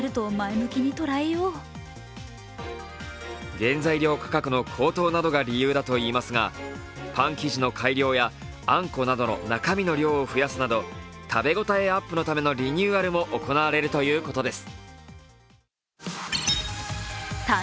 原材料価格の高騰などが理由だといいますがパン生地の改良やあんこなどの中身の量を増やすなど食べ応えアップのためのリニューアルも行われるということです。